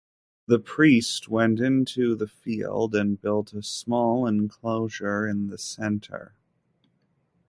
The priest went into the field and built a small enclosure in the center.